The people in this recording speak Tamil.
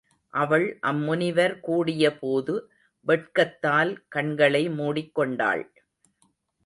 அவள் அம் முனிவர் கூடியபோது வெட்கத்தால் கண்களை முடிக்கொண்டாள்.